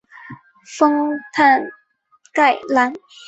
丰坦盖兰。